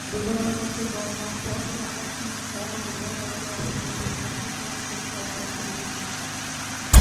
দুজনের মধ্যে দ্বন্দ্ব অব্যাহত রাখার জন্য তারা উভয়ে একে অপরকে বিভ্রান্ত করার চেষ্টা অব্যাহত রেখেছিল।